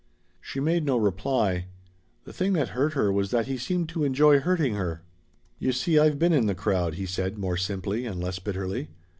She made no reply. The thing that hurt her was that he seemed to enjoy hurting her. "You see I've been in the crowd," he said more simply and less bitterly.